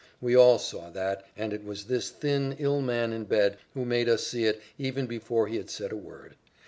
We all saw that, and it was this thin, ill man in bed who made us see it even before he had said a word.